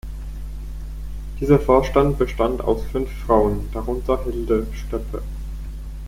Dieser Vorstand bestand aus fünf Frauen, darunter Hilde Steppe.